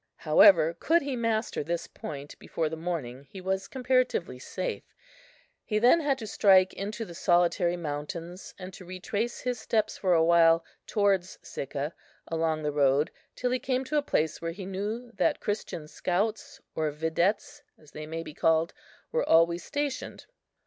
However, could he master this point before the morning he was comparatively safe; he then had to strike into the solitary mountains, and to retrace his steps for a while towards Sicca along the road, till he came to a place where he knew that Christian scouts or videttes (as they may be called) were always stationed.